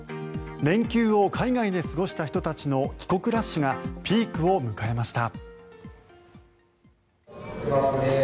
連休を海外で過ごした人たちの帰国ラッシュがピークを迎えました。